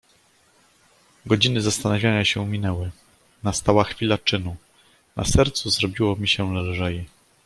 "Godziny zastanawiania się minęły, nastała chwila czynu; na sercu zrobiło mi się lżej."